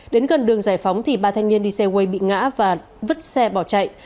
đến gần đường giải phóng thì ba thanh niên đi xe way bị ngã và vứt xe bỏ chạy